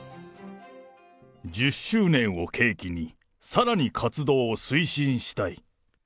１０周年を契機に、さらに活動を推進したい。